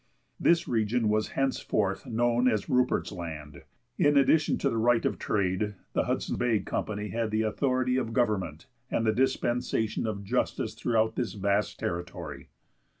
This region was henceforth known as Rupert's Land. In addition to the right of trade, the Hudson Bay Company had the authority of government and the dispensation of justice throughout this vast territory.